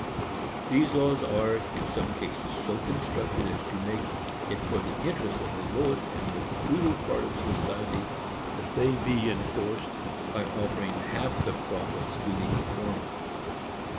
These laws are, in some cases, so constructed as to make it for the interest of the lowest and most brutal part of society that they be enforced, by offering half the profits to the informer.